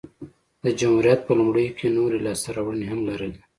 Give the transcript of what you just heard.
د جمهوریت په لومړیو کې نورې لاسته راوړنې هم لرلې